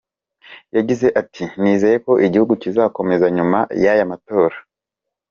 Yagize ati “Nizeye ko igihugu kizakomeza nyuma y’aya matora.